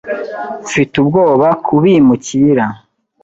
Mfite ubwoba kubimukira